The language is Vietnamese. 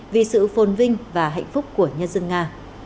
vì sự phồn vinh và hạnh phúc của nhân dân nga